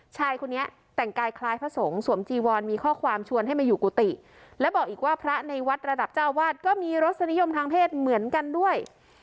ชายคนนี้แต่งกายคล้ายพระสงฆ์สวมจีวอนมีข้อความชวนให้มาอยู่กุฏิและบอกอีกว่าพระในวัดระดับเจ้าอาวาสก็มีรสนิยมทางเพศเหมือนกันด้วย